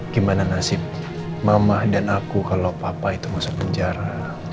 gimana nasib mama dan aku kalau papa itu masuk penjara